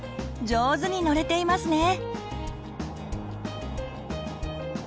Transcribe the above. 上手に乗れていますね！